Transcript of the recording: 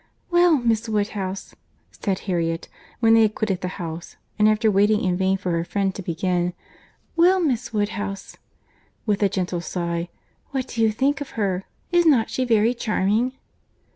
"Well, Miss Woodhouse," said Harriet, when they had quitted the house, and after waiting in vain for her friend to begin; "Well, Miss Woodhouse, (with a gentle sigh,) what do you think of her?—Is not she very charming?"